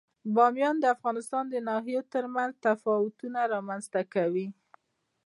بامیان د افغانستان د ناحیو ترمنځ تفاوتونه رامنځ ته کوي.